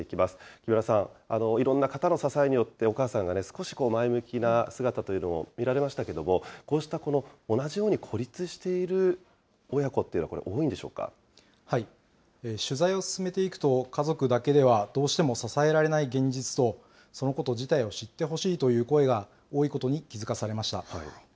木村さん、いろんな方の支えによって、お母さんがね、少し前向きな姿というのを見られましたけども、こうしたこの同じように孤立している親子っていうのはこれ、取材を進めていくと、家族だけではどうしても支えられない現実と、そのこと自体を知ってほしいという声が多いことに気付かされました。